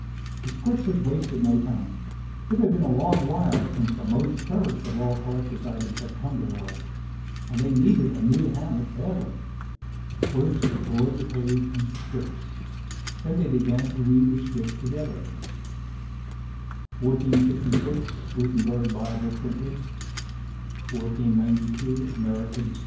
The squixes wasted no time. It had been a long while since the most cherished of all collector's items had come their way and they needed a new hammock badly. First, they tore the page into strips, then they began to weave the strips together. _ 1456, Gut. Bi. pr.; 1492, Am. dis.